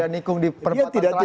nikung di perbatasan terakhir